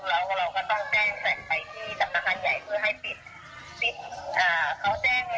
อาจารย์ใจดีค่ะอาจารย์ไม่โกรธเลย